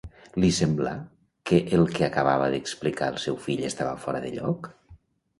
Li semblà que el que acabava d'explicar el seu fill estava fora de lloc?